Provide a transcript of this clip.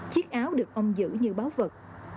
chiếc áo được ông giữ như báu vật